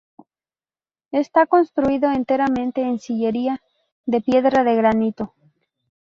Está construido enteramente en sillería de piedra de granito.